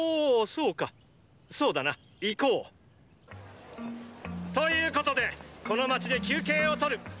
そうだな行こう！ということでこの街で休憩をとる！